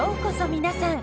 皆さん。